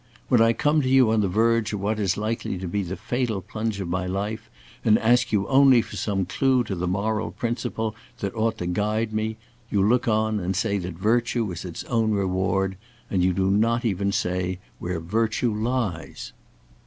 When I come to you on the verge of what is likely to be the fatal plunge of my life, and ask you only for some clue to the moral principle that ought to guide me, you look on and say that virtue is its own reward. And you do not even say where virtue lies."